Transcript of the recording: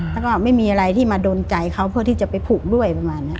แล้วก็ไม่มีอะไรที่มาดนใจเขาเพื่อที่จะไปผูกด้วยประมาณนี้